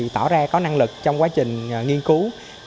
tỏ ra có năng lực trong quá trình nghiên cứu